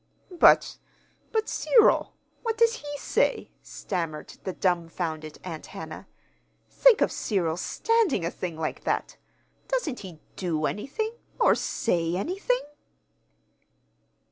"But but Cyril! What does he say?" stammered the dumfounded Aunt Hannah. "Think of Cyril's standing a thing like that! Doesn't he do anything or say anything?"